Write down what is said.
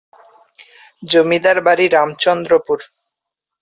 জমিদার বাড়ি, রামচন্দ্রপুর।